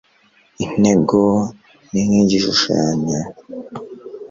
Intego ni nk igishushanyo